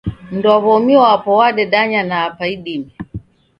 Mundu wa w'omi wapo wadendanya na apa idime.